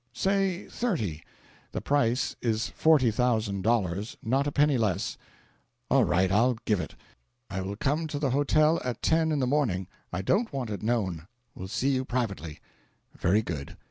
"Say thirty." "The price is forty thousand dollars; not a penny less." "All right, I'll give it. I will come to the hotel at ten in the morning. I don't want it known; will see you privately." "Very good."